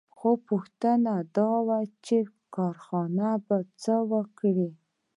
خو پوښتنه دا وه چې کارنګي به څه وکړي